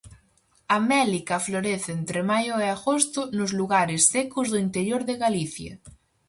A mélica florece entre maio e agosto nos lugares secos do interior de Galicia.